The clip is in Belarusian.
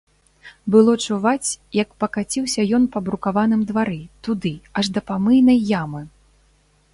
Было чуваць, як пакаціўся ён па брукаваным двары, туды, аж да памыйнай ямы.